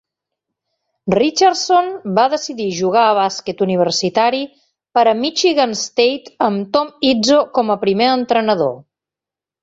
Richardson va decidir jugar a bàsquet universitari per a Michigan State amb Tom Izzo com a primer entrenador.